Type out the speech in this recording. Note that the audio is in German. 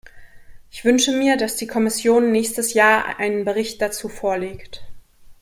Ich wünsche mir, dass die Kommission nächstes Jahr einen Bericht dazu vorlegt.